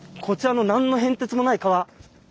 こちらの何の変哲もない川。